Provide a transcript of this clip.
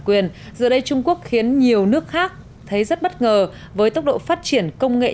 quyền giờ đây trung quốc khiến nhiều nước khác thấy rất bất ngờ với tốc độ phát triển công nghệ